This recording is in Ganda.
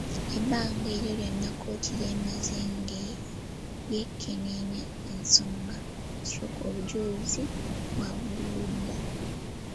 Ebbanga eryo lyonna kooti ly'emaze nga yeekeneennya ensonga/obujulizi bwa buli ludda.